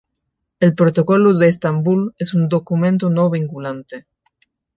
El Protocolo de Estambul es un documento no vinculante.